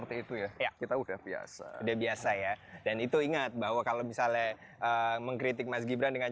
waktu itu ya kita udah biasa udah biasa ya dan itu ingat bahwa kalau misalnya mengkritik mas gibran dengan